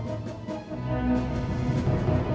aku juga berani aku lupa